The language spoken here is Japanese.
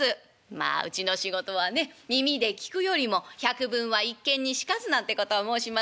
「まあうちの仕事はね耳で聞くよりも『百聞は一見にしかず』なんてことを申しますからね。